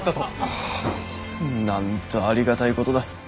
あぁなんとありがたいことだ。